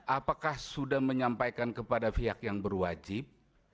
apakah sudah menyampaikan kepada pihak yang berwajib